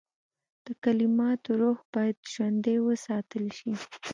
د کلماتو روح باید ژوندی وساتل شي.